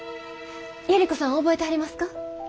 百合子さん覚えてはりますか？